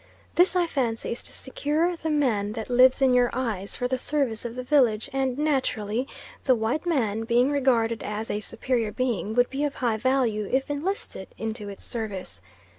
This, I fancy, is to secure the "man that lives in your eyes" for the service of the village, and naturally the white man, being regarded as a superior being, would be of high value if enlisted into its service.